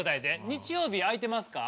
日曜日空いてますか？